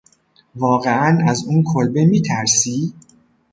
واقعاً از اون کلبه میترسی؟